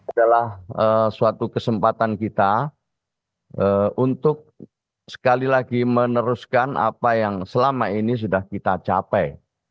adalah suatu kesempatan kita untuk sekali lagi meneruskan apa yang selama ini sudah kita capai